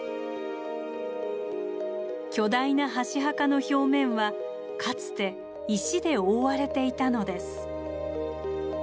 巨大な箸墓の表面はかつて石で覆われていたのです。